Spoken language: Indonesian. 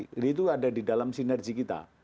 jadi itu ada di dalam sinergi kita